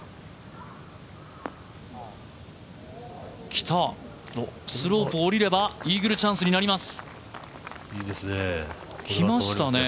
来た、スロープをおりればイーグルチャンスになります。